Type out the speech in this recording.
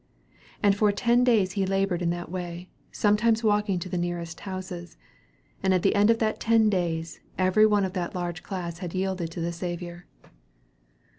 And for ten days he labored in that way, sometimes walking to the nearest houses. And at the end of that ten days, every one of that large class had yielded to the Saviour.